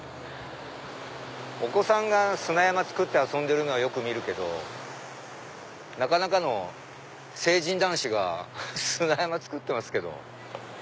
お子さんが砂山作って遊んでるのはよく見るけどなかなかの成人男子が砂山作ってますけど。